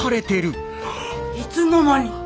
いつの間に。